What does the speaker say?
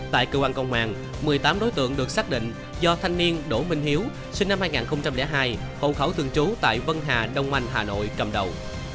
tại cơ quan công an một mươi tám đối tượng được xác định do thanh niên đỗ minh hiếu sinh năm hai nghìn hai hộ khẩu thường trú tại vân hà đông anh hà nội cầm đầu